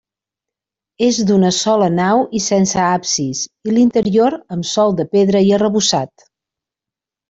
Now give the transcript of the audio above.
És d'una sola nau i sense absis, i l'interior amb sòl de pedra i arrebossat.